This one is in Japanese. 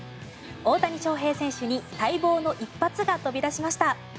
大谷翔平選手に待望の一発が飛び出しました。